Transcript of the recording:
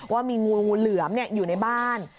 ว่ามีงูเหลือมอยู่ในบ้าน